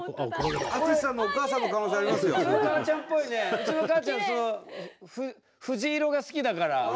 うちの母ちゃん藤色が好きだから。